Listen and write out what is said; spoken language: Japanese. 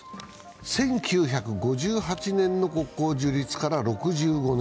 １９５８年の国交樹立から６５年。